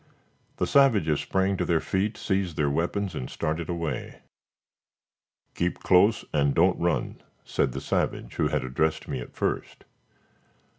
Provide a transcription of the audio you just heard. The savages sprang to their feet, seized their weapons and started away. "Keep close, and don't run!" said the savage who had addressed me at first.